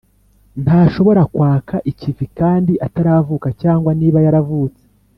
ntashobora kwakwa ikivi kandi ataravuka cg niba yaravutse,